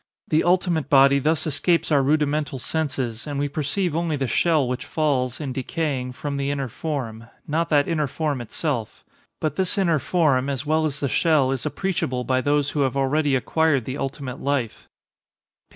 The ultimate body thus escapes our rudimental senses, and we perceive only the shell which falls, in decaying, from the inner form; not that inner form itself; but this inner form, as well as the shell, is appreciable by those who have already acquired the ultimate life.